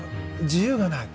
自由がない。